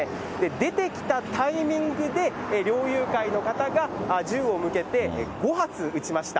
出てきたタイミングで、猟友会の方が銃を向けて５発撃ちました。